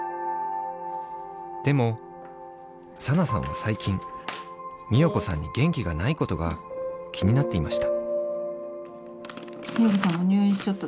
でもサナさんはさいきん美代子さんにげんきがないことが気になっていました。